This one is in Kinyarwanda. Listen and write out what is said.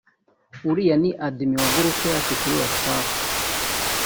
uriya ni ‘Admin’ wa ‘group’ yacu kuri whatsapp